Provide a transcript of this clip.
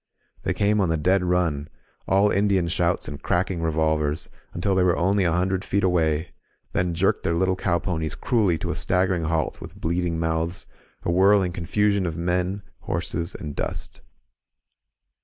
They came on the dead nm, all Indian shouts and cracking re volvers, until they were only a hundred feet away, then jerked their little cow ponies cruelly to a staggering halt with bleeding mouths, a whirling confusion of men, horses and dust.